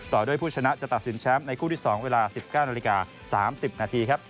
ต่อด้วยผู้ชนะจะตัดสินแชมป์ในคู่ที่๒เวลา๑๙น๓๐น